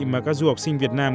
mà các du học sinh việt nam